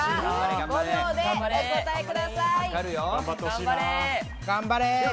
５秒でお答えください。